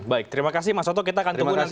baik terima kasih mas otto kita akan tunggu